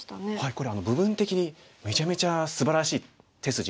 これは部分的にめちゃめちゃすばらしい手筋で。